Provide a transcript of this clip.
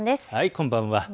こんばんは。